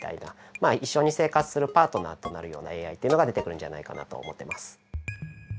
一緒に生活するパートナーとなるようなＡＩっていうのが出てくるんじゃないかなと思っています。